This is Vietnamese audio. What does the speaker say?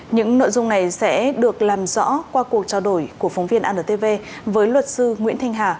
những nội dung này sẽ được làm rõ qua cuộc trao đổi của phóng viên antv với luật sư nguyễn thanh hà